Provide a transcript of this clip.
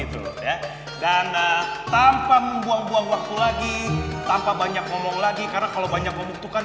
itu ya dan tanpa membuang buang waktu lagi tanpa banyak ngomong lagi karena kalau banyak membuktukan